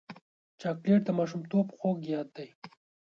چاکلېټ د ماشومتوب خوږ یاد دی.